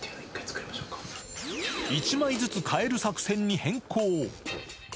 １枚ずつ替える作戦に変更。